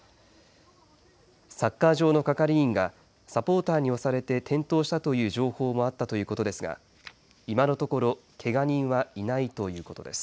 サッカー場の係員がサポーターに押されて転倒したという情報もあったということですが今のところけが人はいないということです。